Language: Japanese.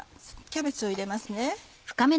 キャベツを入れますね。